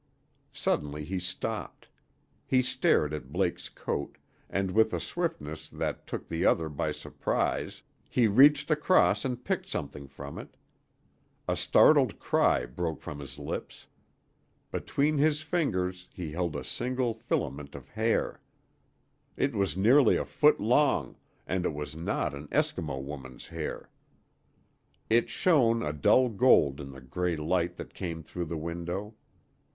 Suddenly he stopped. He stared at Blake's coat, and with a swiftness that took the other by surprise he reached across and picked something from it. A startled cry broke from his lips. Between his fingers he held a single filament of hair. It was nearly a foot long, and it was not an Eskimo woman's hair. It shone a dull gold in the gray light that came through the window.